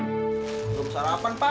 belum sarapan pak